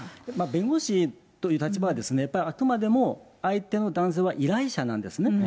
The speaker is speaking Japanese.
弁護士という立場は、やっぱりあくまでも相手の男性は依頼者なんですね。